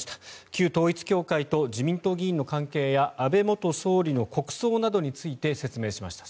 旧統一教会と自民党議員の関係や安倍元総理の国葬などについて説明しました。